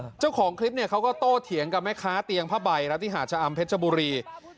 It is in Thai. เออเจ้าของคลิปเนี่ยเขาก็โตเถียงกับแม่ค้าเตียงพระบ่ายรัฐิหาชะอำเพชรบุรี